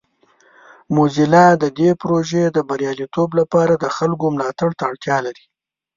موزیلا د دې پروژې د بریالیتوب لپاره د خلکو ملاتړ ته اړتیا لري.